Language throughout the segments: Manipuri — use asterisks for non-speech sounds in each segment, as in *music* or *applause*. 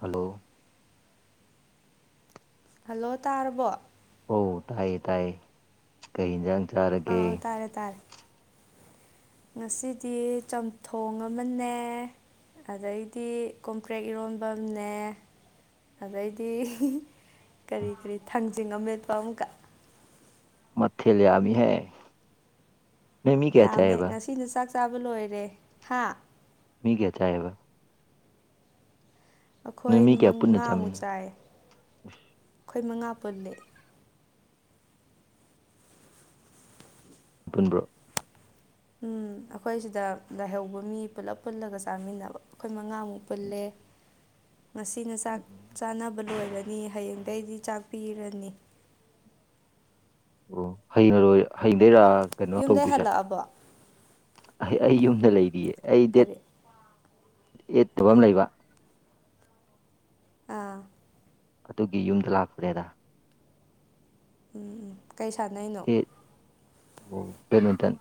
ꯍꯜꯂꯣ ꯍꯜꯂꯣ ꯇꯥꯔꯕꯣ ꯑꯣ ꯇꯥꯏꯌꯦ ꯇꯥꯏ ꯀꯩ ꯌꯦꯟꯖꯥꯡ ꯆꯥꯔꯒꯦ ꯑꯥ ꯇꯥꯔꯦ ꯇꯥꯔꯦ ꯉꯁꯤꯗꯤ ꯆꯝꯊꯣꯡ ꯑꯃꯅꯦ ꯑꯗꯩꯗꯤ ꯀꯣꯝꯄ꯭ꯔꯦꯛ ꯏꯔꯣꯝꯕꯅꯦ ꯑꯗꯩꯗꯤ ꯀꯔꯤ ꯀꯔꯤ ꯊꯥꯡꯖꯤꯡ ꯑꯃ ꯃꯦꯠꯄ ꯑꯃꯨꯛꯀ ꯃꯊꯦ ꯂꯩ ꯌꯥꯝꯃꯤ ꯍꯥꯏ ꯌꯥꯝꯃꯦ ꯉꯁꯤꯅ ꯆꯥꯛ ꯆꯥꯕ ꯂꯣꯏꯔꯦ ꯍꯥ ꯃꯤ ꯒꯌꯥ ꯆꯥꯏꯕ ꯅꯣꯏ ꯑꯩꯈꯣꯏ ꯃꯤ ꯀꯌꯥ ꯄꯨꯟꯅ ꯃꯉꯥꯃꯨꯛ ꯆꯥꯃꯤꯟꯅ ꯆꯥꯏ ꯑꯩꯈꯣꯏ ꯃꯉꯥ ꯄꯨꯜꯂꯦ ꯄꯨꯟꯕ꯭ꯔꯣ ꯎꯝ ꯑꯩꯈꯣꯏ ꯁꯤꯗ ꯂꯥꯏꯍꯧꯕ ꯃꯤ ꯄꯨꯂꯞ ꯄꯨꯜꯂꯒ ꯆꯥꯃꯤꯟꯅꯕ ꯑꯩꯈꯣꯏ ꯃꯉꯥꯃꯨꯛ ꯄꯨꯜꯂꯦ ꯉꯁꯤꯅ ꯆꯥꯛ ꯆꯥꯅꯕ ꯂꯣꯏꯔꯅꯤ ꯍꯌꯦꯡꯗꯒꯤꯩꯗꯤ ꯆꯥꯛ ꯄꯤꯔꯅꯤ ꯑꯣ ꯍꯔꯣꯏ ꯍꯩꯗꯔꯥ *inaudible* ꯌꯨꯝꯗꯩ ꯍꯜꯂꯛꯑꯕꯣ ꯑꯩ ꯌꯨꯝꯗ ꯂꯩꯔꯤꯌꯦ ꯑꯩ ꯗꯦꯠ ꯀꯔꯤ ꯑꯦꯠꯇꯕ ꯑꯃ ꯂꯩꯕ ꯑꯥ ꯑꯗꯨꯒꯤ ꯌꯨꯝꯗ ꯂꯥꯛꯄꯅꯦꯗ ꯎꯝ ꯀꯩ ꯁꯥꯟꯅꯩꯅꯣ ꯑ° ꯑꯣ ꯕꯦꯗꯃꯤꯟꯇꯟ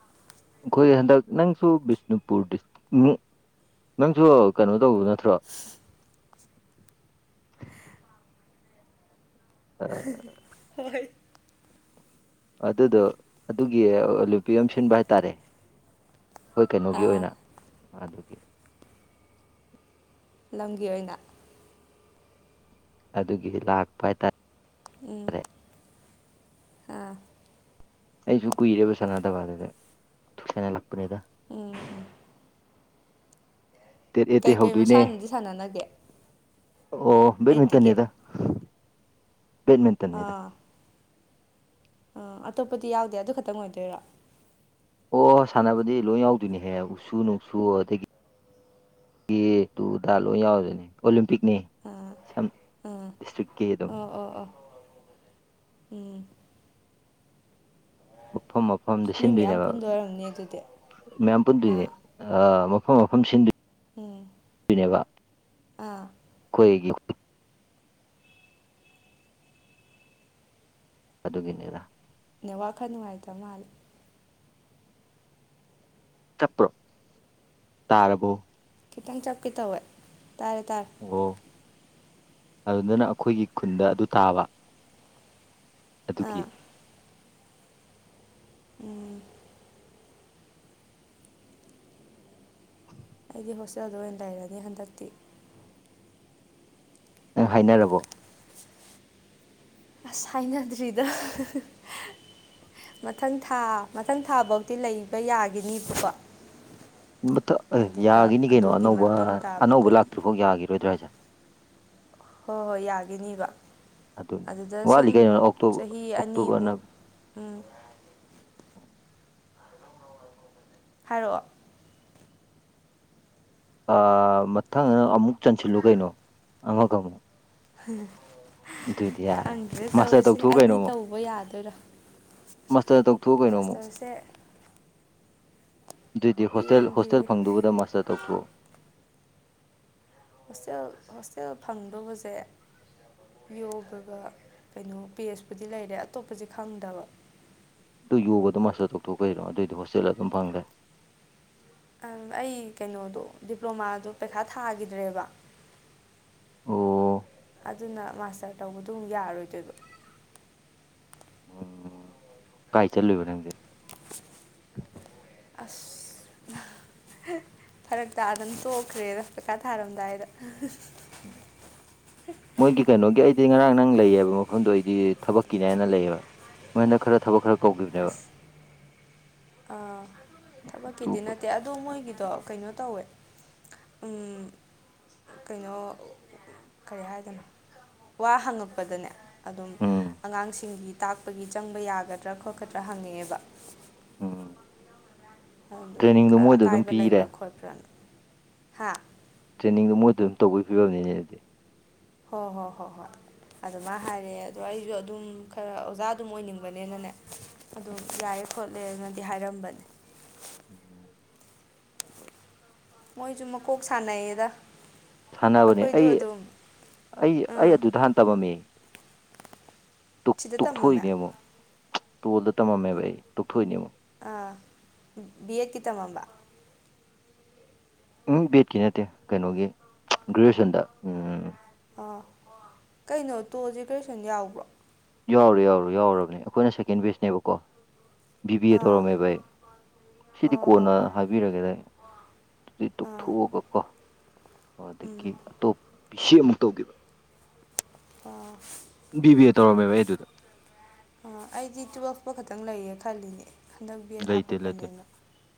ꯑꯩꯈꯣꯏ ꯍꯟꯗꯛ ꯅꯪꯁꯨ ꯕꯤꯁꯅꯨꯄꯨꯔ ꯗꯤꯁꯇ꯭ꯔꯤꯛ ꯅꯪꯁꯨ ꯀꯩꯅꯣ ꯇꯧꯕ ꯅꯠꯇ꯭ꯔꯣ ꯍꯣꯏ ꯑꯗꯨꯗꯣ ꯑꯗꯨꯒꯤ ꯂꯄꯤ ꯑꯃ ꯁꯤꯟꯕ ꯍꯥꯏꯇꯥꯔꯦ ꯑꯩꯈꯣꯏ ꯀꯩꯅꯣꯒꯤ ꯑꯥ ꯑꯣꯏꯅ ꯑꯗꯨꯒꯤ ꯂꯝꯒꯤ ꯑꯣꯏꯅ ꯑꯗꯨꯒꯤ ꯂꯥꯛꯄ ꯍꯥꯏꯇꯥꯔꯦ ꯎꯝ ꯑꯥ ꯑꯩꯁꯨ ꯀꯨꯏꯔꯦꯕ ꯁꯅꯥꯗꯕꯥꯗꯗ ꯊꯁꯅ ꯂꯛꯄꯅꯦꯗ ꯎꯝ ꯎꯝ ꯇꯦꯠ ꯑꯦ ꯇꯦ ꯀꯩꯀꯩ ꯍꯧꯗꯣꯏꯅꯦ ꯃꯁꯥꯟꯅꯗꯤ ꯁꯥꯟꯅꯅꯒꯦ ꯑꯣ ꯑꯩꯠꯇꯒꯤ ꯕꯦꯠꯃꯤꯟꯇꯟꯅꯦꯗ ꯕꯠꯃꯤꯟꯇꯟꯅꯤꯗ ꯑ ꯑꯇꯣꯞꯄꯗꯤ ꯌꯥꯎꯗꯦ ꯑꯗꯨ ꯈꯛꯇꯪ ꯑꯣꯏꯗꯣꯏꯔꯣ ꯑꯣ ꯁꯥꯟꯅꯕꯗꯤ ꯂꯣꯏ ꯌꯥꯎꯗꯣꯏꯅꯦꯍꯦ ꯎꯁꯨ ꯅꯨꯡꯁꯨ ꯑꯗꯒꯤ ꯀ ꯇꯨꯗ ꯂꯣꯏ ꯌꯥꯎꯔꯗꯣꯏꯅꯦ ꯑꯣꯂꯦꯝꯄꯤꯛꯅꯤ ꯁꯝ ꯗꯤꯁꯇ꯭ꯔꯤꯛꯀꯤ ꯑꯗꯨꯝ ꯑ ꯑꯣ ꯑ ꯎꯝ ꯃꯐꯝ ꯃꯐꯝꯗ ꯃꯤ ꯃꯌꯥꯝ ꯁꯤꯟꯗꯣꯏꯅꯦꯕ ꯄꯨꯟꯗꯣꯏ ꯑꯣꯏꯔꯝꯅꯤ ꯑꯗꯨꯗꯤ ꯃꯌꯥꯝ ꯄꯨꯟꯗꯣꯏꯅꯦ ꯑꯥ ꯑ ꯃꯐꯝ ꯃꯐꯝ ꯁꯤꯟꯗꯨ ꯎꯝ ꯄꯤꯔ°ꯕ ꯑꯥ ꯑꯩꯣꯏꯒꯤ ꯑꯗꯨꯒꯤꯅꯤꯗ ꯅ ꯋꯥꯈꯜ ꯅꯨꯡꯉꯥꯏꯇꯕ ꯃꯥꯜꯂꯦ ꯆꯞꯄ꯭ꯔꯣ ꯇꯥꯔꯕꯣ ꯈꯤꯇꯪ ꯆꯞꯀꯦ ꯇꯧꯋꯦ ꯇꯥꯔꯦ ꯇꯥꯔꯦ ꯑꯣ ꯑꯗꯨꯗꯅ ꯑꯩꯈꯣꯏꯒꯤ ꯈꯨꯟꯗ ꯑꯗꯨ ꯇꯥꯕ ꯑꯗꯨꯒꯤ ꯑꯥ ꯎꯝ ꯑꯩꯗꯤ ꯍꯣꯁꯇꯦꯜꯗ ꯑꯣꯏꯅ ꯂꯩꯔꯅꯤ ꯍꯟꯗꯛꯇꯤ ꯅꯪ ꯍꯥꯏꯅꯔꯕꯣ ꯑꯁ ꯍꯥꯏꯅꯗ꯭ꯔꯤꯗ ꯃꯊꯪ ꯊꯥ ꯃꯊꯪ ꯊꯥꯐꯧꯗꯤꯤ ꯂꯩꯕ ꯌꯥꯈꯤꯅꯤꯕꯀꯣ ꯑꯦ ꯌꯥꯒꯤꯅꯤ ꯀꯩꯅꯣ ꯑꯅꯧꯕ ꯃꯇꯨꯡ ꯑꯅꯧꯕ ꯇꯥꯕꯗꯗꯤ ꯂꯥꯛꯇ꯭ꯔꯤꯐꯥꯎ ꯌꯥꯒꯤꯔꯣꯏꯗ꯭ꯔꯥ ꯍꯥꯏꯁꯦ ꯍꯣꯏ ꯍꯣꯏ ꯌꯥꯒꯤꯅꯦꯕ ꯑꯗꯨꯅꯤ ꯑꯗꯨꯗ ꯁꯨꯝ ꯋꯥꯠꯂꯤ ꯀꯩꯅꯣ ꯑꯣꯛꯇꯣꯕꯔ ꯆꯍꯤ ꯑꯅꯤꯕꯨ ꯑꯣꯛꯇꯣꯕꯔꯅ ꯎ ꯍꯥꯏꯔꯛꯑꯣ ꯃꯊꯪ ꯑꯃꯨꯛ ꯆꯟꯁꯤꯜꯂꯨ ꯀꯩꯅꯣ ꯑꯃꯒ ꯑꯃꯨꯛ ꯑꯗꯨꯏꯗꯤ ꯌꯥꯔꯦ ꯈꯪꯗ꯭ꯔꯦ ꯃꯥꯁꯇꯔ ꯇꯧꯔꯤꯁꯦ ꯇꯧꯊꯣꯛꯎ ꯑꯅꯤ ꯇꯧꯕ ꯌꯥꯗꯣꯏꯔꯣ ꯃꯥꯁꯇꯔꯗ ꯇꯧꯊꯣꯛꯑꯣ ꯀꯩꯅꯣ ꯑꯃꯨꯛ ꯎꯆ ꯑꯗꯨꯏꯗꯤ ꯍꯣꯁꯇꯦꯜ ꯌꯦꯡꯈꯤꯒꯦ ꯍꯣꯁꯇꯦꯜ ꯐꯪꯗꯨꯕꯗ ꯃꯥꯁꯇꯔ ꯇꯧꯊꯣꯛꯎ ꯍꯣꯁꯇꯦꯜ ꯍꯣꯁꯇꯦꯜ ꯐꯪꯗꯧꯕꯁꯦ ꯌꯣꯒꯒ ꯀꯩꯅꯣ ꯄꯦꯖꯄꯨꯗꯤ ꯂꯩꯔꯦ ꯑꯇꯣꯞꯄꯁ ꯈꯪꯗꯕ ꯑꯗꯨ ꯌꯣꯒꯗꯣ ꯃꯥꯁꯇꯔ ꯇꯧꯊꯣꯛ ꯀꯩꯅꯣ ꯑꯗꯨꯑꯣꯏꯗꯤ ꯍꯣꯁꯇꯦꯜ ꯑꯗꯨꯝ ꯐꯪꯂꯦ ꯑꯩ ꯀꯩꯅꯣꯗꯣ ꯗꯤꯄ꯭ꯂꯣꯃꯥꯗꯣ ꯄꯩꯈꯥ ꯊꯥꯈꯤꯗ꯭ꯔꯦꯕ ꯑꯣ ꯑꯗꯨꯅ ꯃꯥꯁꯇꯔ ꯇꯧꯕꯗꯨꯣ ꯑꯃꯨꯛ ꯌꯥꯔꯣꯏꯗꯣꯏꯗꯣ ꯎꯝ ꯀꯥꯏ ꯆꯠꯂꯨꯕ ꯅꯪꯁꯦ ꯑꯁ ꯐꯔ ꯇꯥ ꯑꯗꯨꯝ ꯇꯣꯛꯈ꯭ꯔꯦꯗ ꯆꯀꯥ ꯊꯥꯔꯝꯗꯥꯏꯗ ꯎꯝ ꯃꯣꯏꯒꯤ ꯀꯩꯅꯣꯒꯤ ꯑꯩꯗꯤ ꯉꯔꯥꯡ ꯅꯪ ꯂꯩꯌꯦꯕ ꯃꯐꯝꯗꯣ ꯑꯩꯗꯤ ꯊꯕꯛꯀꯤꯅꯦ ꯍꯥꯏꯅ ꯂꯩꯌꯦꯕ ꯃꯣꯏꯟꯗ ꯈꯔ ꯊꯕꯛ ꯈꯔ ꯀꯧꯈꯤꯕꯅꯦꯕ ꯑꯁ ꯑꯥ ꯑꯗꯨ ꯊꯕꯛꯀꯤꯗꯤ ꯅꯠꯇꯦ ꯑꯗꯣ ꯃꯣꯏꯒꯤꯗꯣ ꯀꯩꯅꯣ ꯇꯧꯋꯦ ꯑꯝ ꯀꯩꯅꯣ ꯀꯔꯤ ꯍꯥꯏꯗꯣꯏꯅꯣ ꯋꯥ ꯍꯪꯉꯛꯄꯗꯅꯦ ꯑꯗꯨꯝ ꯎꯝ ꯑꯉꯥꯡꯁꯤꯡꯒꯤ ꯇꯥꯛꯄꯒꯤ ꯆꯪꯕ ꯌꯥꯒꯗ꯭ꯔꯥ ꯈꯣꯠꯀꯗ꯭ꯔꯥ ꯍꯪꯉꯦꯕ ꯑꯝ ꯑꯗꯨ ꯑꯗꯨꯝ ꯑꯀꯥꯏꯕ ꯄꯤꯔꯦ ꯂꯩꯕ꯭ꯔꯥ ꯈꯣꯠꯄ꯭ꯔꯥꯅ ꯍꯥ ꯇ꯭ꯔꯦꯅꯤꯡꯗꯣ ꯃꯣꯏꯗ ꯑꯗꯨꯝ ꯇꯧꯕꯒꯤ ꯐꯤꯕꯝꯅꯤꯅꯦ ꯑꯗꯨꯗꯤ ꯍꯣꯏ ꯍꯣꯏ ꯍꯣꯏ ꯍꯣꯏ ꯑꯗꯨꯃꯥꯏ ꯍꯥꯏꯔꯛꯑꯦ ꯑꯗꯣ ꯑꯩꯁꯨ ꯑꯗꯨꯝ ꯈꯔ ꯑꯣꯖꯥ ꯑꯗꯨꯝ ꯑꯣꯏꯅꯤꯡꯕꯅꯦꯅꯅꯦ ꯑꯗꯨꯝ ꯌꯥꯔꯦ ꯈꯣꯠꯂꯦꯅꯗꯤ ꯍꯥꯏꯔꯝꯕꯅꯦ ꯎꯝ *inaudible* ꯃꯣꯏꯁꯨ ꯃꯀꯣꯛ ꯁꯥꯟꯅꯩꯌꯦꯗ ꯁꯥꯟꯅꯕꯅꯦ ꯑꯩ ꯑꯩꯈꯣꯏꯗꯣ ꯑꯗꯨꯝ ꯑꯩ ꯑꯩ ꯑꯥ ꯑꯗꯨꯗ ꯍꯥꯟꯅ ꯇꯝꯃꯝꯃꯤ ꯁꯤꯗ ꯇꯝꯃꯝꯃꯦ ꯇꯣꯛꯊꯣꯛꯏꯅꯦ ꯑꯃꯨꯛ ꯇꯣꯜꯗ ꯇꯝꯃꯝꯃꯦꯕ ꯑꯩ ꯇꯣꯛꯊꯣꯛꯏꯅꯦ ꯑꯃꯨꯛ ꯑꯥ ꯕꯤꯌꯦꯠꯀꯤ ꯇꯝꯃꯝꯕ ꯎꯝ ꯕꯤꯌꯦꯠꯀꯤ ꯅꯠꯇꯦ ꯀꯩꯅꯣꯒꯤ ꯒ꯭ꯔꯦꯖꯨꯑꯦꯁꯟꯗ ꯎꯝ ꯑꯥ ꯀꯩꯅꯣ ꯇꯣꯜꯁꯦ ꯒ꯭ꯔꯦꯖꯨꯑꯦꯁꯟ ꯌꯥꯎꯕ꯭ꯔꯣ ꯌꯥꯎꯔꯦ ꯌꯥꯎꯔꯦ ꯌꯥꯎꯔꯕꯅꯦ ꯑꯩꯈꯣꯏꯅ ꯁꯦꯀꯦꯟ ꯕꯦꯖꯅꯦꯕꯀꯣ ꯕꯤꯕꯤ ꯑꯦ ꯑꯥ ꯇꯧꯔꯝꯃꯦꯕ ꯑꯩ ꯁꯤꯗꯤ ꯑꯣ ꯀꯣꯟꯅ ꯑꯣ ꯑꯣ ꯍꯥꯏꯕ ꯕꯤꯔꯒꯦꯗ ꯑꯗꯨꯗꯤ ꯑꯥ ꯇꯣꯛꯊꯣꯛꯑꯒ ꯀꯣ ꯑꯗꯒꯤ ꯎꯝ ꯑꯇꯣꯞꯄ ꯕꯤ ꯁꯤ ꯑꯃꯨꯛ ꯇꯧꯈꯤꯕ ꯑꯣꯥ ꯕꯤ ꯕꯤ ꯑꯦ ꯇꯧꯔꯝꯃꯦꯕ ꯑꯩ ꯑꯗꯨꯗ ꯑ ꯑꯩꯗꯤ ꯇꯨꯋꯦꯜꯐ ꯐꯥꯎ ꯈꯛꯇꯪ ꯂꯩꯌꯦ ꯈꯜꯂꯤꯅꯦ ꯍꯟꯗꯛ ꯕꯤ ꯑꯦꯗ ꯂꯩꯇꯦ ꯂꯩꯇꯦ ꯍꯥꯞꯄꯛꯄꯅꯦꯅ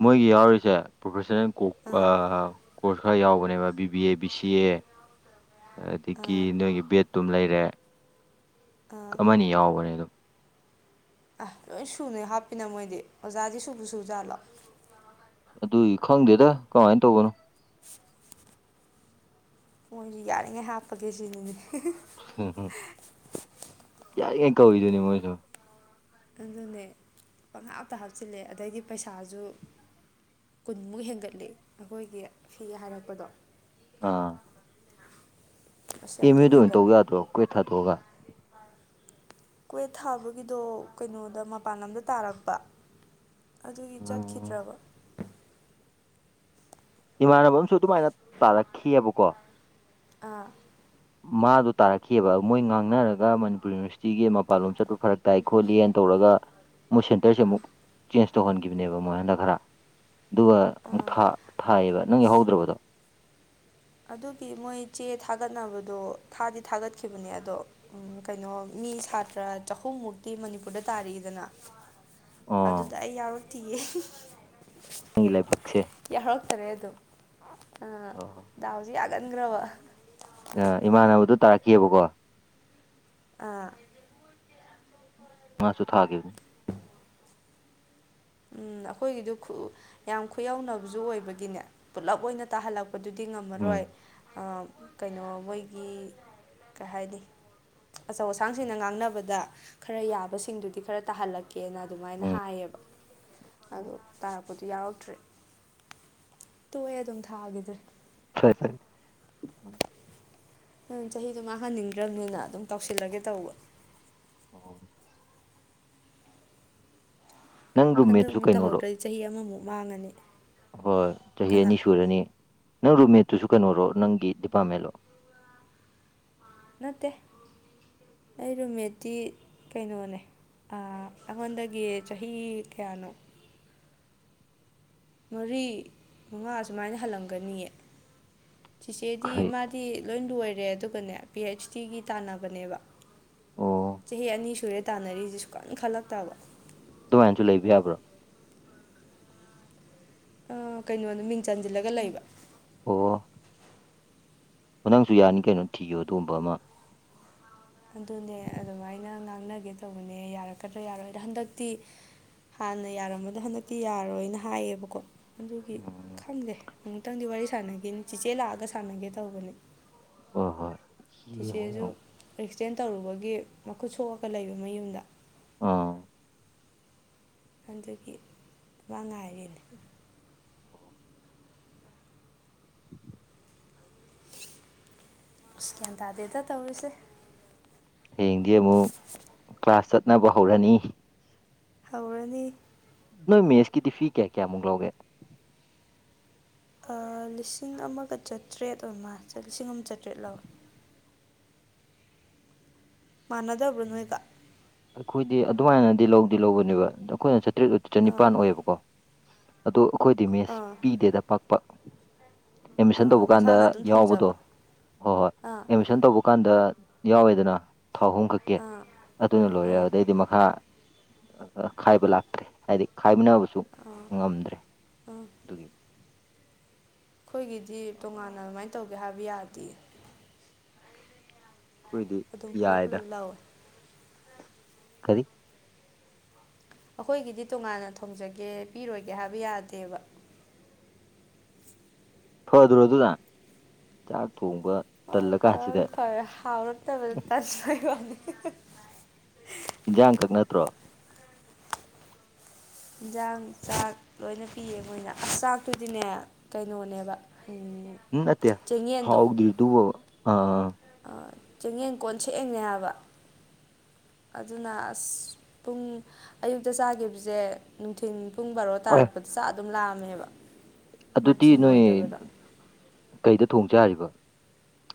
ꯃꯣꯏꯒꯤ ꯌꯥꯎꯔꯤꯁꯦ ꯄ꯭ꯔꯣꯐꯦꯁꯟꯅꯜ ꯀꯣ ꯑꯥ ꯀꯣꯔꯁ ꯈꯔ ꯌꯥꯎꯕꯅꯦꯕ B B A B C A ꯑꯗꯒꯤ ꯑꯥ ꯅꯣꯏꯒꯤ ꯕꯦꯠ ꯑꯗꯨꯝ ꯂꯩꯔꯦ ꯑꯥ ꯑꯃꯅꯤ ꯌꯥꯎꯕꯅꯦ ꯑꯗꯨꯝ ꯑꯁ ꯂꯣꯏ ꯁꯨꯅꯦ ꯍꯥꯞꯄꯤꯅ ꯃꯣꯏꯗꯤ ꯑꯣꯖꯥꯗꯤ ꯁꯨꯕꯨ ꯁꯨ ꯖꯥꯠꯂꯣ ꯑꯗꯨꯏ ꯈꯪꯗꯦꯗ ꯀꯃꯥꯏꯅ ꯇꯧꯕꯅꯣ *inaudible* ꯃꯣꯏꯁꯨ ꯌꯥꯔꯤꯉꯩ ꯍꯥꯞꯄꯒꯦ ꯁꯤꯅꯤꯅꯦ ꯎꯝ ꯌꯥꯔꯤꯉꯩ ꯀꯧꯏꯗꯨꯅꯤ ꯃꯣꯏꯁꯨ ꯑꯗꯨꯅꯦ ꯄꯪꯍꯥꯞꯇ ꯍꯥꯞꯆꯤꯜꯂꯦ ꯑꯗꯩꯗꯤ ꯄꯩꯁꯥꯁꯨ ꯀꯨꯟꯃꯨꯛ ꯍꯦꯟꯒꯠꯂꯤ ꯑꯩꯈꯣꯏꯒꯤ ꯐꯤ ꯍꯥꯏꯔꯛꯄꯗꯣ ꯑꯥ ꯑꯁ ꯌꯥꯝ ꯑꯦꯝ ꯊꯤꯅ ꯌꯨꯗ ꯑꯣꯏꯅ ꯍꯦꯟꯒꯠꯂꯦ ꯇꯧ ꯌꯥꯗ꯭ꯔꯣ ꯀ꯭ꯋꯦꯠ ꯊꯥꯗꯣꯛꯑꯒ *inaudible* ꯀ꯭ꯋꯦꯠ ꯊꯥꯕꯒꯤꯗꯣ ꯀꯩꯅꯣꯗ ꯃꯄꯥꯟ ꯂꯝꯗ ꯇꯥꯔꯛꯄ ꯑꯗꯨꯒꯤ ꯎꯝ ꯆꯠꯈꯤꯗ꯭ꯔꯕ ꯏꯃꯥꯟꯅꯕ ꯑꯃꯁꯨ ꯑꯗꯨꯃꯥꯏꯅ ꯇꯥꯔꯛꯈꯤꯌꯦꯕꯀꯣ ꯑꯥ *inaudible* ꯃꯥꯗꯣ ꯇꯥꯔꯛꯈꯤꯌꯦꯕ ꯃꯣꯏ ꯉꯥꯡꯅꯔꯒ ꯃꯅꯤꯄꯨꯔ ꯌꯨꯅꯤꯚꯔꯁꯤꯇꯤꯒꯤ ꯃꯄꯥꯟꯂꯣꯝ ꯆꯠꯄ ꯐꯔꯛ ꯇꯥꯏ ꯈꯣꯠꯂꯤꯅ ꯇꯧꯔꯒ ꯃꯣꯏ ꯁꯦꯟꯇꯔꯁꯦ ꯑꯃꯨꯛ ꯆꯦꯟꯖ ꯇꯧꯍꯟꯈꯤꯕꯅꯦꯕ ꯃꯣꯏ ꯍꯟꯗꯛ ꯈꯔ ꯑꯗꯨꯒ ꯑꯃꯨꯛ ꯑꯥ ꯊꯥ ꯕꯅꯦꯕ ꯅꯪ ꯌꯥꯎꯍꯧꯗ꯭ꯔꯕꯗꯣ ꯑꯗꯨꯒꯤ ꯃꯣꯏ ꯆꯦ ꯊꯥꯒꯠꯅꯕꯗꯣ ꯊꯥꯗꯤ ꯊꯥꯒꯠꯈꯤꯕꯅꯦ ꯑꯗꯣ ꯎꯝ ꯀꯩꯅꯣ ꯃꯤ ꯁꯥꯇ꯭ꯔ ꯆꯍꯨꯝꯃꯨꯛꯇꯤ ꯃꯅꯤꯄꯨꯔꯗ ꯇꯥꯔꯤꯛꯏꯗꯅ *inaudible* ꯑꯗꯨꯗ ꯑꯩ ꯌꯥꯎꯔꯛꯇꯌꯦ ꯅꯪꯒꯤ ꯂꯥꯏꯕꯛꯁꯦ ꯌꯥꯎꯔꯛꯇꯔꯦ ꯑꯗꯨꯝ ꯑꯗꯨꯅ ꯑꯣ ꯗꯥꯎꯁꯦ ꯌꯥꯒꯟꯈ꯭ꯔꯕ ꯏꯃꯥꯟꯅꯕꯗꯣ ꯇꯥꯔꯛꯈꯤꯌꯦꯕꯀꯣ ꯑꯥ ꯃꯥꯁꯨ ꯊꯥꯈꯤꯕꯅꯦ ꯎꯝ ꯑꯩꯈꯣꯏꯒꯤꯗꯨ ꯌꯥꯝ ꯈꯨꯌꯧꯅꯕꯁꯨ ꯑꯣꯏꯕꯒꯤꯅꯦ ꯄꯨꯂꯞ ꯑꯣꯏꯅ ꯇꯥꯍꯜꯂꯛꯄ ꯑꯗꯨꯗꯤ ꯉꯝꯃꯔꯣꯏ ꯎꯝ ꯀꯩꯅꯣ ꯃꯣꯏꯒꯤ ꯀꯩ ꯍꯥꯏꯅꯤ ꯑꯆꯧ ꯑꯁꯥꯡꯁꯤꯡꯅ ꯉꯥꯡꯅꯕꯗ ꯈꯔ ꯌꯥꯕꯁꯤꯡꯗꯨꯗꯤ ꯈꯔ ꯇꯥꯍꯜꯂꯛꯀꯦ ꯀꯦꯅ ꯑꯗꯨꯃꯥꯏꯅ ꯎꯝ ꯍꯥꯏꯌꯦꯕ ꯑꯗꯣ ꯇꯥꯔꯛꯄꯗꯨꯣ ꯌꯥꯎꯔꯛꯇ꯭ꯔꯦ ꯇꯣꯛꯑꯦ ꯑꯗꯨꯝ ꯊꯥꯈꯤꯗ꯭ꯔꯦ ꯐꯔꯦ ꯐꯔꯦ ꯅ ꯆꯍꯤꯗꯣ ꯃꯥꯡꯍꯟꯅꯤꯡꯗ꯭ꯔꯕꯅꯤꯅ ꯑꯗꯨꯝ ꯇꯧꯁꯤꯜꯂꯒꯦ ꯇꯧꯕ ꯑꯣ ꯅꯪ ꯍꯟꯗꯛ ꯔꯨꯝꯃꯦꯠꯁꯨ ꯑꯃꯨꯛ ꯀꯩꯅꯣꯔꯣ ꯇꯧꯍꯧꯗ꯭ꯔꯗꯤ ꯆꯍꯤ ꯑꯃꯃꯨꯛ ꯃꯥꯡꯉꯅꯤ ꯍꯣꯏ ꯆꯍꯤ ꯀꯅꯥ ꯑꯅꯤ ꯁꯨꯔꯅꯤ ꯅꯪ ꯔꯨꯝꯃꯦꯠꯇꯨꯁꯨ ꯀꯩꯅꯣꯔꯣ ꯅꯪꯒꯤ ꯗꯤꯄꯥꯔꯠꯃꯦꯟꯂꯣ ꯅꯠꯇꯦ ꯑꯩ ꯔꯣꯃꯦꯠꯇꯤ ꯀꯩꯅꯣꯅꯦ ꯑꯩꯉꯣꯟꯗꯒꯤ ꯆꯍꯤ ꯀꯌꯥꯅꯣ ꯃꯔꯤ ꯃꯉꯥ ꯁꯨꯃꯥꯏꯅ ꯍꯜꯂꯝꯒꯅꯤꯌꯦ ꯆꯤꯆꯦꯗꯤ ꯀꯩ ꯃꯥꯗꯤ ꯂꯣꯏ ꯂꯣꯏꯔꯦ ꯑꯗꯨꯒꯅꯦ ꯄꯤ ꯑꯩꯩꯆ ꯗꯤꯒꯤ ꯇꯥꯟꯅꯕꯅꯦꯕ ꯑꯣ ꯆꯍꯤ ꯑꯅꯤ ꯁꯨꯔꯦ ꯇꯥꯟꯅꯔꯤꯁꯤꯦ ꯁꯨ ꯀꯥꯏꯅ ꯈꯜꯂꯛꯇꯕ ꯗꯨꯃꯥꯏꯅꯁꯨ ꯂꯩꯕ ꯌꯥꯕ꯭ꯔꯣ ꯀꯩꯅꯣꯗ ꯃꯤꯡ ꯆꯟꯁꯤꯜꯂꯒ ꯂꯩꯕ ꯑꯣ ꯍ ꯅꯪꯁꯨ ꯌꯥꯅꯤ ꯀꯩꯅꯣ ꯊꯤꯌꯨ ꯑꯗꯨꯒꯨꯝꯕ ꯑꯃ ꯑꯗꯨꯅꯦ ꯑꯗꯨꯃꯥꯏꯅ ꯉꯥꯡꯅꯒꯦ ꯇꯧꯕꯅꯦ ꯌꯥꯔꯛꯀꯗ꯭ꯔꯥ ꯌꯥꯔꯣꯏꯗ ꯍꯟꯗꯛꯇꯤ ꯍꯥꯟꯅ ꯌꯥꯔꯝꯕꯗꯣ ꯍꯟꯗꯛꯇꯤ ꯌꯥꯔꯣꯏꯅ ꯍꯥꯏꯌꯦꯕꯀꯣ ꯑꯗꯨꯒꯤ ꯎꯝ ꯈꯪꯗꯦ ꯑꯃꯨꯛꯇꯪꯗꯤ ꯋꯥꯔꯤ ꯁꯥꯟꯅꯒꯦꯅꯤ ꯆꯦꯆꯦ ꯂꯥꯛꯑꯒ ꯁꯥꯟꯅꯒꯦ ꯇꯧꯕꯅꯤ ꯍꯣꯏ ꯍꯣꯏ ꯌꯦꯡꯉꯣ ꯁꯤꯆꯦꯁꯨ ꯌꯦꯡꯉꯣ ꯑꯦꯛꯁꯗꯦꯟ ꯇꯧꯔꯨꯕꯒꯤ ꯃꯈꯨꯠ ꯁꯣꯛꯑꯒ ꯂꯩꯕ ꯃꯌꯨꯝꯗ ꯑꯥ ꯈꯟꯒꯤ ꯏ ꯉꯥꯏꯔꯤꯅꯦ ꯑ ꯒ꯭ꯌꯥꯟ ꯇꯥꯗꯦꯗ ꯇꯧꯔꯤꯁꯦ ꯍꯌꯦꯡꯗꯤ ꯑꯃꯨꯛ ꯀ꯭ꯂꯥꯁ ꯆꯠꯅꯕ ꯍꯧꯔꯅꯤ ꯍꯧꯔꯅꯤ ꯅꯣꯏ ꯃꯦꯁꯀꯤꯗꯤ ꯐꯤ ꯀꯌꯥ ꯀꯌꯥꯃꯨꯛ ꯂꯧꯒꯦ ꯂꯤꯁꯤꯡ ꯑꯃꯒ ꯆꯥꯇ꯭ꯔꯦꯠ ꯑꯃ ꯂꯤꯁꯤꯡ ꯑꯃ ꯆꯥꯇ꯭ꯔꯦꯠ ꯂꯧꯏꯦ ꯃꯥꯟꯅꯗꯕ꯭ꯔꯣ ꯅꯣꯏꯒ ꯑꯩꯈꯣꯏꯗꯤ ꯑꯗꯨꯃꯥꯏꯅꯗꯤ ꯂꯧꯗꯤ ꯂꯧꯕꯅꯦꯕ ꯑꯩꯈꯣꯏꯅ ꯆꯥꯇ꯭ꯔꯦꯠ ꯑꯥ ꯆꯅꯤꯄꯥꯟ ꯑꯣꯏꯌꯦꯕꯀꯣ ꯑꯗꯣ ꯑꯩꯈꯣꯏꯗꯤ ꯃꯦꯁ ꯑꯥ ꯄꯤꯗꯦꯗ ꯄꯥꯛꯄ ꯑꯦꯠꯃꯤꯁꯟ ꯑꯥ ꯇꯧꯕ ꯀꯥꯟꯗ ꯅꯁꯥꯅ ꯑꯗꯨꯝ ꯌꯥꯎꯕꯗꯣ ꯊꯣꯡꯖꯕ ꯍꯣꯏ ꯍꯣꯏ ꯑꯥ ꯑꯦꯠꯃꯤꯁꯟ ꯇꯧꯕ ꯑꯗꯨꯀꯥꯟꯗ ꯌꯥꯎꯋꯦꯗꯅ ꯊꯥ ꯑꯍꯨꯝ ꯈꯛꯀꯤ ꯑꯥ ꯑꯗꯨꯅ ꯂꯣꯏꯔꯦ ꯑꯥ ꯑꯗꯨꯗꯩꯗꯤ ꯃꯈꯥ ꯈꯥꯏꯕ ꯂꯥꯛꯇ꯭ꯔꯦ ꯍꯥꯏꯗꯤ ꯈꯥꯏꯃꯤꯅꯕꯁꯨ ꯑꯥ ꯉꯝꯗ꯭ꯔꯦ ꯑꯗꯨꯒꯤ ꯑꯩꯈꯣꯏꯒꯤꯗꯤ ꯇꯣꯉꯥꯟꯅ ꯑꯗꯨꯃꯥꯏꯅ ꯇꯧꯒꯦ ꯍꯥꯏꯕ ꯌꯥꯔꯗꯤꯦ ꯑꯩꯈꯣꯏꯗꯤ ꯑꯗꯨꯝ ꯄꯨꯂꯞ ꯌꯥꯏꯗ ꯄꯨꯂꯞ ꯂꯧꯋꯦ ꯀꯔꯤ ꯑꯩꯈꯣꯏꯒꯤꯗꯤ ꯇꯣꯉꯥꯟꯅ ꯊꯣꯡꯖꯒꯦ ꯄꯤꯔꯣꯏꯒꯦ ꯍꯥꯏꯕ ꯌꯥꯗꯦꯕ ꯐꯗ꯭ꯔꯣ ꯑꯗꯨꯅ ꯆꯥꯛ ꯊꯣꯡꯕ ꯍꯣꯏ ꯐꯔ ꯇꯜꯂꯀꯥꯟꯁꯤꯗ ꯐꯔꯦ ꯍꯥꯎꯔꯛꯇꯕꯗ ꯇꯥꯟꯖꯩ ꯋꯥꯅꯤ ꯏꯤꯟꯖꯥꯡꯈꯛ ꯅꯠꯇ꯭ꯔꯣ ꯌꯦꯟꯖꯥꯡ ꯆꯥꯛ ꯂꯣꯏꯅ ꯄꯤꯌꯦ ꯃꯣꯏꯅ ꯑꯁ ꯆꯥꯛꯇꯨꯗꯤꯅꯦ ꯀꯩꯅꯣꯅꯦꯕ ꯐ ꯎꯝ ꯅꯠꯇꯌꯥ ꯍꯥꯎꯗ ꯏꯗꯨ ꯑ ꯆꯦꯡꯌꯦꯡ ꯀꯣꯟ ꯁꯑꯡꯅꯦ ꯍꯥꯏꯕ ꯑꯗꯨꯅ ꯑꯁ ꯄꯨꯡ ꯑꯌꯨꯛꯇ ꯆꯥꯈꯤꯕꯁꯦ ꯅꯨꯡꯊꯤꯟꯜ ꯄꯨꯡ ꯕꯥꯔꯣ ꯑꯦ ꯇꯥꯔꯛꯄꯗ ꯆꯥꯛ ꯑꯗꯨꯝ ꯂꯥꯛꯑꯝꯃꯦꯕ ꯑꯗꯨꯗꯤ ꯅꯣꯏ ꯀꯩꯗ ꯊꯣꯡꯖꯥꯔꯤꯕ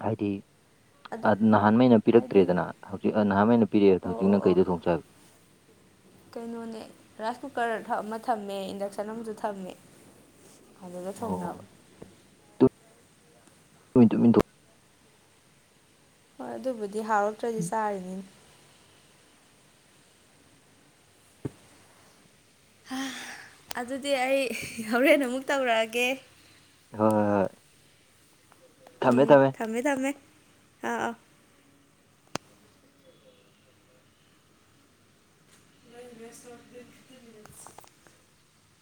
ꯍꯥꯏꯗꯤ ꯑꯗꯨ ꯅꯍꯥꯟꯃꯩꯅ ꯍꯥꯏꯗꯤ ꯄꯤꯔꯛꯇ꯭ꯔꯦꯗꯅ ꯍꯧꯖꯤꯛ ꯅꯍꯥꯟꯋꯥꯩꯅ ꯄꯤꯔꯛꯦꯗꯣ ꯑꯣ ꯑꯣ ꯍꯧꯖꯤꯛꯅ ꯑꯣ ꯀꯩꯗ ꯊꯣꯡ ꯆꯕꯒꯦ ꯀꯩꯅꯣꯅꯦ ꯔꯥꯏꯁ ꯀꯨꯀꯔ ꯑꯃ ꯊꯝꯃꯦ ꯏꯟꯗꯛꯁꯟ ꯑꯃꯁꯨ ꯊꯝꯃꯦ ꯐꯖꯅ ꯑꯣ ꯊꯣꯡꯅꯕ ꯃꯤꯇꯣ ꯍꯣꯏ ꯑꯗꯨꯕꯨꯗꯤ ꯍꯥꯎꯔꯛꯇ꯭ꯔꯗꯤ ꯆꯥꯔꯤꯅꯤꯅꯦ ꯑꯗꯨꯗꯤ ꯑꯩ ꯍꯣꯔꯦꯟ ꯑꯃꯨꯛ ꯇꯧꯔꯛꯑꯒꯦ ꯍꯣꯏ ꯍꯣꯏ ꯍꯣꯏ ꯎꯝ ꯊꯝꯃꯦ ꯊꯝꯃꯦ ꯑꯥ ꯑꯥ ꯅ ꯦꯁꯔꯣ ꯐ꯭ꯔꯤꯀꯤ